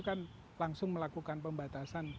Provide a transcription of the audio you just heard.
kan langsung melakukan pembatasan